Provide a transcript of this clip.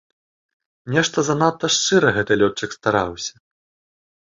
Нешта занадта шчыра гэты лётчык стараўся!